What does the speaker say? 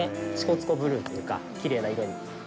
支笏湖ブルーというか、きれいな色に。